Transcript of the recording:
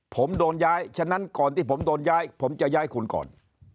ผมโดนย้ายฉะนั้นก่อนที่ผมโดนย้ายผมจะย้ายคุณก่อน